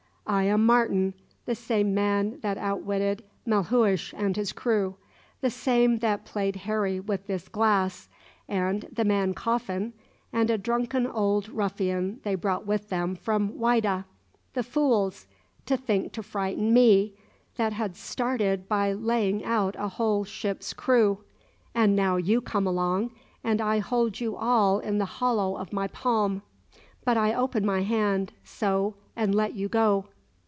I am Martin the same man that outwitted Melhuish and his crew the same that played Harry with this Glass, and the man Coffin, and a drunken old ruffian they brought with them from Whydah! The fools! to think to frighten me, that had started by laying out a whole ship's crew! And now you come along; and I hold you all in the hollow of my palm. But I open my hand so and let you go."